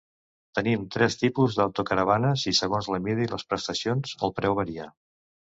Tenim tres tipus d'autocaravanes, i segons la mida i les prestacions el preu varia.